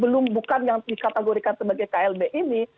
belum bukan yang dikategorikan sebagai klb ini